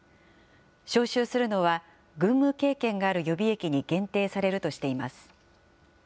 招集するのは、軍務経験がある予備役に限定されるとしています。